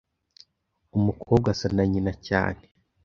Umukobwa asa na nyina cyane.